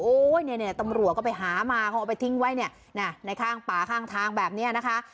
ตำรวจก็ไปหามาเขาเอาไปทิ้งไว้เนี่ยในข้างป่าข้างทางแบบนี้นะคะ